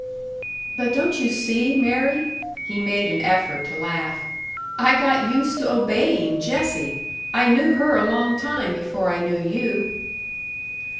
"But don't you see, Mary " He made an effort to laugh. "I got used to obeying Jessie! I knew her a long time before I knew you."